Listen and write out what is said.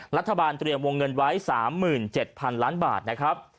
รัฐบาลเตรียมวงเงินไว้๓๗๐๐๐ล้านบาทนะครับ